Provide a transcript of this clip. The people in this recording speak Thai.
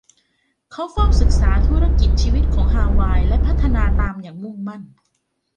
เขาเฝ้าศึกษาธุรกิจชีวิตของฮาวายและพัฒนาตามอย่างมุ่งมั่น